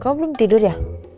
kamu belum tidur ya